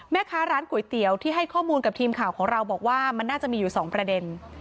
แม่ค้าร้านก๋วยเตี๋ยวที่ให้ข้อมูลกับทีมข่าวของเราบอกว่ามันน่าจะมีอยู่๒ประเด็น